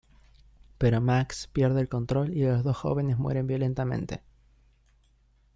Pero Max pierde el control y las dos jóvenes mueren violentamente.